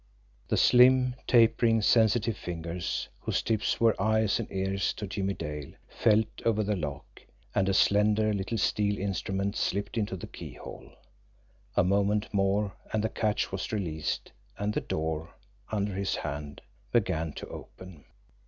The slim, tapering, sensitive fingers, whose tips were eyes and ears to Jimmie Dale, felt over the lock and a slender little steel instrument slipped into the keyhole. A moment more and the catch was released, and the door, under his hand, began to open.